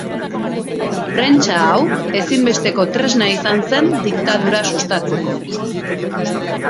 Prentsa hau ezinbesteko tresna izan zen diktadura sustatzeko.